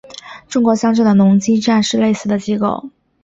中国乡镇的农机站是类似的机构。